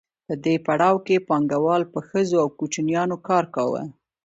په دې پړاو کې پانګوالو په ښځو او کوچنیانو کار کاوه